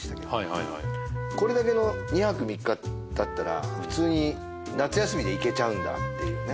はいはいこれだけの２泊３日だったら普通に夏休みで行けちゃうんだっていうね